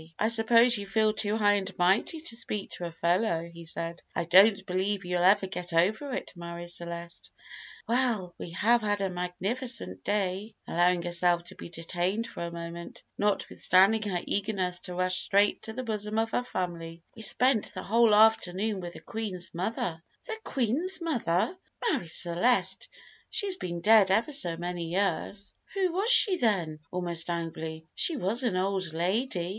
"I suppose you feel too high and mighty to speak to a fellow," he said. "I don't believe you'll ever get over it, Marie Celeste." "Well, we have had a magnificent day" allowing herself to be detained for a moment, notwithstanding her eagerness to rush straight to the bosom of her family "we spent the whole afternoon with the Oueen's mother." "The Oueen's mother! Marie Celeste, she's been dead ever so many years." "Who was she, then?" almost angrily; "she was an old lady."